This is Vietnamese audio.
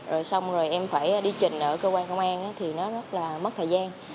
rồi em phải đi trình ở cơ quan công an thì nó rất là mất thời gian